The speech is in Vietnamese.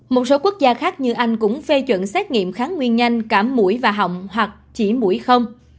một số quốc gia khác như anh cũng phê chuẩn xét nghiệm kháng nguyên nhanh cả mũi và họng hoặc chỉ mũi không